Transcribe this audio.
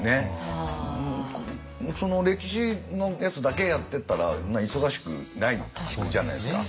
歴史のやつだけやってったらそんな忙しくないじゃないですか。